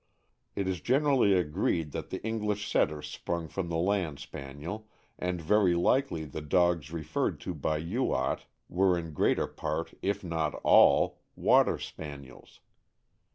It is generally agreed that the English Setter sprung from the Land Spaniel, and very likely the dogs referred to by Youatt were in greater part, if not all, Water Spaniels.